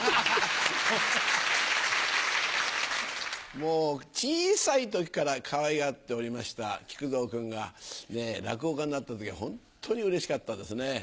もう小さい時からかわいがっておりました木久蔵君が落語家になった時はホントにうれしかったですね。